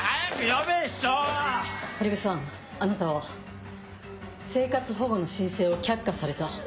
堀部さんあなたは生活保護の申請を却下された。